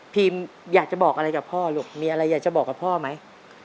อยากจะบอกอะไรกับพ่อลูกมีอะไรอยากจะบอกกับพ่อไหม